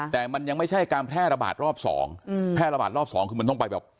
แต่มันยังไม่ใช่การแพร่ระบาดรอบสองอืมแพร่ระบาดรอบสองคือมันต้องไปแบบ